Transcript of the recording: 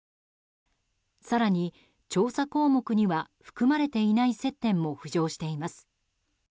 更に、調査項目には含まれていない接点も浮上しています。